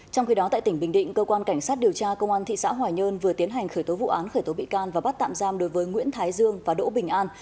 trong khi đó tại tỉnh bình định cơ quan cảnh sát điều tra công an thị xã hòa nhơn vừa tiến hành khởi tố vụ án khởi tố bị can và bắt tạm giam đối với nguyễn thái dương và đỗ bình an